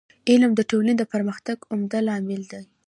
علم د ټولني د پرمختګ عمده لامل دی.